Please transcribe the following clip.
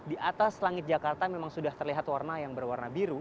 di atas langit jakarta memang sudah terlihat warna yang berwarna biru